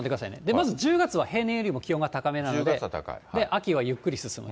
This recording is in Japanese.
まず１０月は平年よりも気温が高めなので、秋はゆっくり進む。